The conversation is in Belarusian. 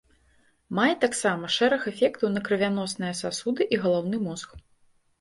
Мае таксама шэраг эфектаў на крывяносныя сасуды і галаўны мозг.